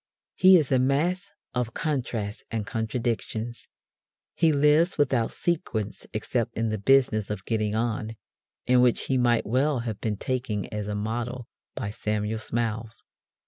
He is a mass of contrasts and contradictions. He lives without sequence except in the business of getting on (in which he might well have been taken as a model by Samuel Smiles).